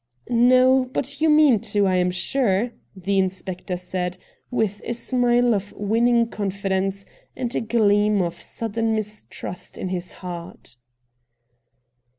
' No, but you mean to, I am sure,' the inspector said, with a smile of winning confi dence and a gleam of sudden mistrust in his heart.